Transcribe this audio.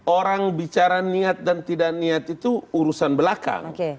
orang bicara niat dan tidak niat itu urusan belakang